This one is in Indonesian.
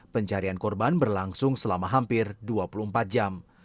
pencarian korban berlangsung selama hampir dua puluh empat jam